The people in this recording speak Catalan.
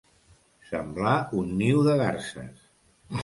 Semblar un niu de garses.